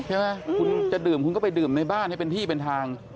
ใช่ไหมคุณจะดื่มคุณก็ไปดื่มในบ้านให้เป็นที่เป็นทาง